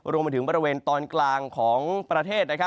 รวมไปถึงบริเวณตอนกลางของประเทศ